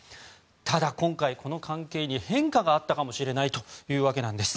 ただ、今回この関係に変化があったかもしれないというわけなんです。